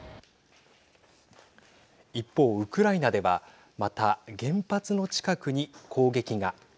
一方、ウクライナではまた原発の近くに攻撃が。